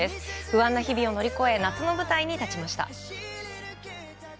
不安な日々を乗り越え夏の舞台に立ちました。